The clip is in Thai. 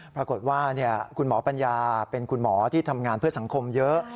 ปรากฏว่าคุณหมอปัญญาเป็นคุณหมอที่ทำงานเพื่อสังคมเยอะ